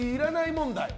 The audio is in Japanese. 問題。